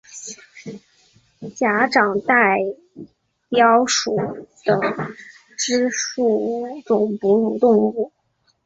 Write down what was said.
假掌袋貂属等之数种哺乳动物。